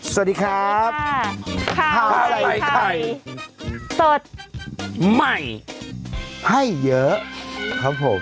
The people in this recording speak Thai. สวัสดีครับข้าวใส่ไข่สดใหม่ให้เยอะครับผม